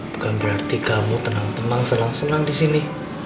bukan berarti kamu tenang tenang senang senang di sini